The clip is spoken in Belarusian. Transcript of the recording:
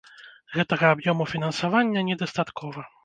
Гэтага аб'ёму фінансавання недастаткова.